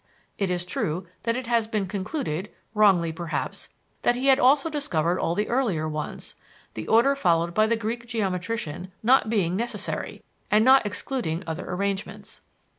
It is true that it has been concluded, wrongly perhaps, that he had also discovered all the earlier ones, the order followed by the Greek geometrician not being necessary, and not excluding other arrangements.